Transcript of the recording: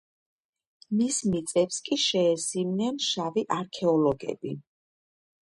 მის მიწებს კი შეესივნენ „შავი არქეოლოგები“.